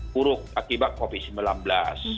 buruk akibat covid sembilan belas